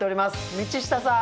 道下さん！